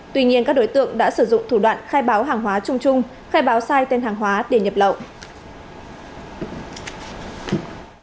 tuy nhiên các đối tượng đã sử dụng thủ đoạn khai báo hàng hóa chung chung khai báo sai tên hàng hóa để nhập lậu